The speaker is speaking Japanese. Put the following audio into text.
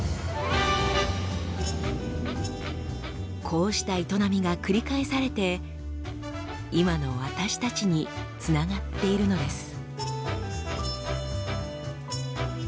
こうした営みが繰り返されて今の私たちにつながっているのです。